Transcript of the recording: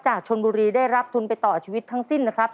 จากชนบุรีได้รับทุนไปต่อชีวิตทั้งสิ้นนะครับ